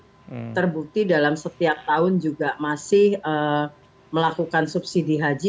terbukti dalam setiap tahun juga masih melakukan subsidi haji